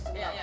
sepi amat ya